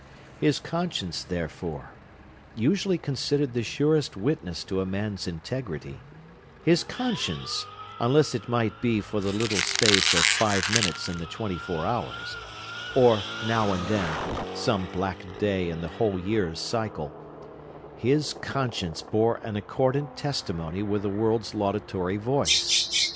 His conscience, therefore, usually considered the surest witness to a man's integrity,—his conscience, unless it might be for the little space of five minutes in the twenty four hours, or, now and then, some black day in the whole year's circle,—his conscience bore an accordant testimony with the world's laudatory voice.